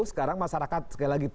sekarang masyarakat sekali lagi